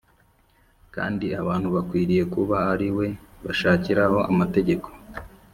kandi abantu bakwiriye kuba ari we bashakiraho amategeko